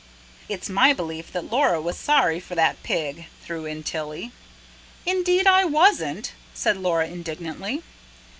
"It's my belief that Laura was sorry for that pig," threw in Tilly. "Indeed I wasn't!" said Laura indignantly.